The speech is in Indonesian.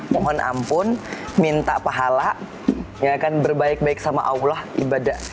mohon ampun minta pahala ya akan berbaik baik sama allah ibadah